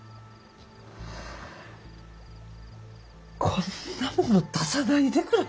こんなもの出さないでくれ。